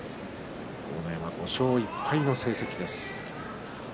豪ノ山、５勝１敗の成績です。